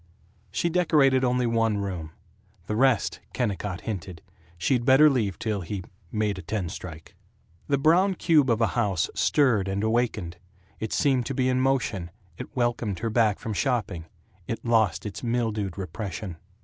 She decorated only one room. The rest, Kennicott hinted, she'd better leave till he "made a ten strike." The brown cube of a house stirred and awakened; it seemed to be in motion; it welcomed her back from shopping; it lost its mildewed repression.